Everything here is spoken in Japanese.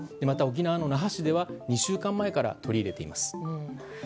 また、沖縄の那覇市では２週間前から取り入れています。